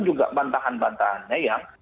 juga bantahan bantahannya yang